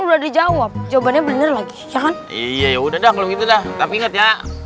dah jawab jawabannya bener lagi ya kan iya udah kalau gitu dah tapi nget ya